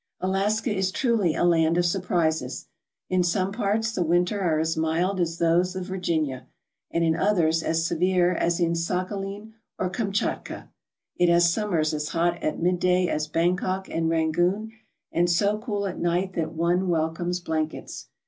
Alaska is truly a land of surprises. In some parts the winters are as mild as those of Virginia and in others as severe as in Sakhalin or Kamchatka. It has summers as hot at midday as Bangkok and Rangoon, and so cool at night that one welcomes blankets.